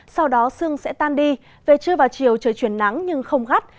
sau đó sương sẽ tan đi về trưa và chiều trời chuyển nắng nhưng không gắt